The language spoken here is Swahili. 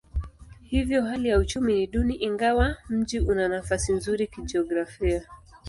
Hivyo hali ya uchumi ni duni ingawa mji una nafasi nzuri kijiografia.